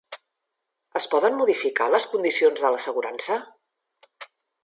Es poden modificar les condicions de l'assegurança?